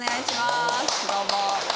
どうも。